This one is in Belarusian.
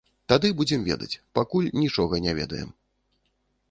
Тады будзем ведаць, пакуль нічога не ведаем.